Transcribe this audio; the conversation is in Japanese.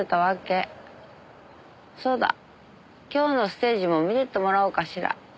そうだ今日のステージも見てってもらおうかしら。